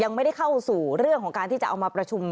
ไม่ได้เข้าสู่เรื่องของการที่จะเอามาประชุม